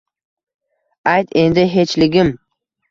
ayt endi hechligim